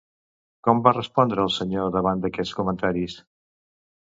Com va respondre el senyor davant d'aquests comentaris?